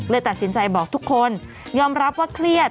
ตัดสินใจบอกทุกคนยอมรับว่าเครียด